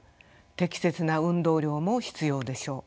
適切な運動量も必要でしょう。